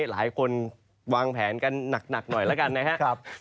หลายคนวางแผนกันหนักหน่อยแล้วกันนะครับ